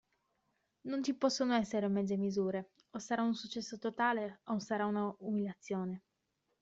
Non ci possono essere mezze misure: o sarà un successo totale o sarà una umiliazione.